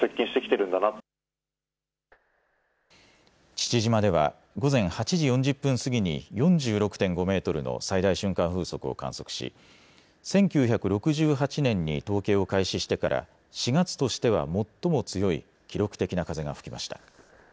父島では午前８時４０分過ぎに４６．５メートルの最大瞬間風速を観測し１９６８年に統計を開始してから４月としては最も強い記録的な風が吹きました。